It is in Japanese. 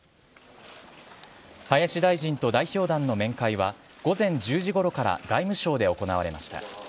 林大臣と代表団の面会は午前１０時ごろから外務省で行われました。